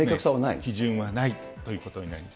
基準はないということになります。